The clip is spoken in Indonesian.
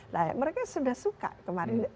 nah mereka sudah suka kemarin